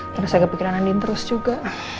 terus saya kepikiran andiin terus juga